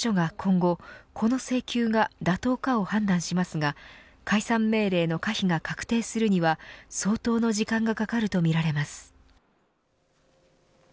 文科省が解散命令を請求すると裁判所が今後この請求が妥当かを判断しますが解散命令の可否が確定するには相当の時間がかかるとみられます。